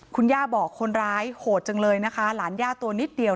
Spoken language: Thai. คุณย่าบอกคนร้ายโหดจังเลยนะคะหลานย่าตัวนิดเดียว